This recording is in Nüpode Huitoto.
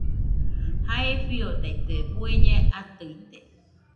Jae fiodaite bueñe atɨite